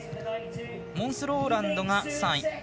モンス・ローランドが３位。